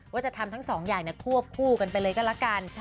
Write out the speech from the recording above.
ว่าจะทำทั้งสองอย่างควบคู่กันไปเลยก็แล้วกัน